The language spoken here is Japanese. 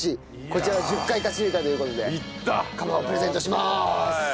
こちら１０回勝ち抜いたという事で釜をプレゼントします。